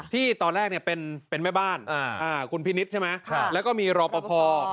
ที่ตอนแรกเป็นแม่บ้านคุณพินิษฐ์ใช่ไหมแล้วก็มีรอปภ